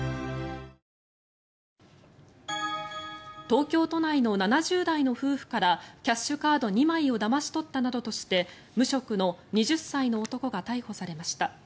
東京都内の７０代の夫婦からキャッシュカード２枚をだまし取ったなどとして無職の２０歳の男が逮捕されました。